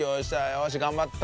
よし頑張った。